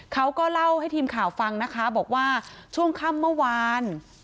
เขาก็เล่าให้ทีมข่าวฟังนะคะบอกว่าช่วงค่ำเมื่อวาน